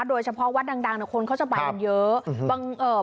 โดยเฉพาะวัดดังคนเขาจะไปกันเยอะ